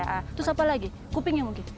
itu siapa lagi kupingnya mungkin